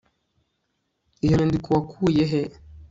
Iyo nyandiko wakuye he